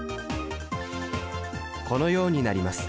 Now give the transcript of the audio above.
このようになります。